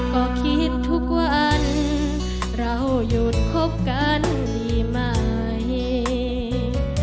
ก็คิดทุกวันเราหยุดคบกันดีไหม